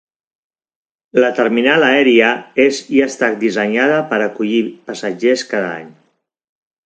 La terminal aèria és de i ha estat dissenyada per acollir passatgers cada any.